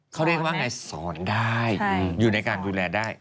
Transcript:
เขาเรียกว่าไงสอนได้อยู่ในการดูแลได้